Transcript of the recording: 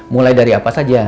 mulai dari apa saja